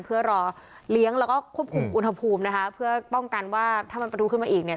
เพื่อรอเลี้ยงแล้วก็ควบคุมอุณหภูมินะคะเพื่อป้องกันว่าถ้ามันประทุขึ้นมาอีกเนี่ย